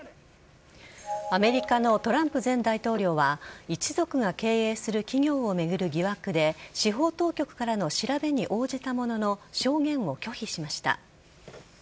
アメリカのトランプ前大統領は一族が経営する企業を巡る疑惑で司法当局からの調べに応じたものの証言を拒否しました。